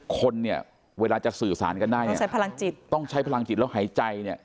คนเนี่ยเวลาจะสื่อสารกันได้ต้องใช้พลังจิตแล้วหายใจเนี่ย